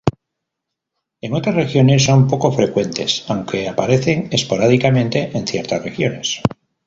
En otras regiones son poco frecuentes, aunque aparecen esporádicamente en ciertas regiones.